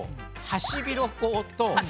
ハシビロコウ。